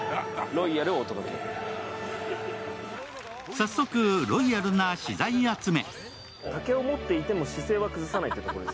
早速、ロイヤルな資材集め。